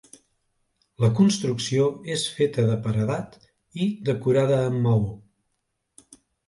La construcció és feta de paredat i decorada amb maó.